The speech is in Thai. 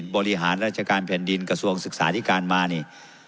บริหารราชการแผ่นดินกระทรวงศึกษาที่การมานี่